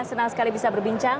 senang sekali bisa berbincang